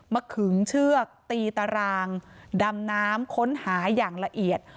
ขึงเชือกตีตารางดำน้ำค้นหาอย่างละเอียด